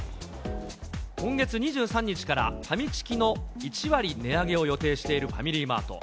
今月２３日からファミチキの１割値上げを予定しているファミリーマート。